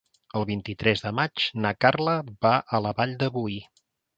El vint-i-tres de maig na Carla va a la Vall de Boí.